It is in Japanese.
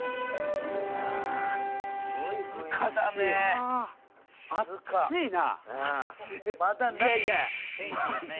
静かだね。